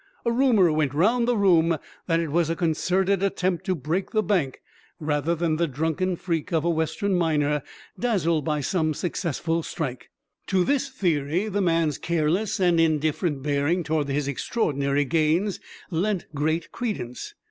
A rumor went round the room that it was a concerted attempt to "break the bank" rather than the drunken freak of a Western miner, dazzled by some successful strike. To this theory the man's careless and indifferent bearing towards his extraordinary gains lent great credence.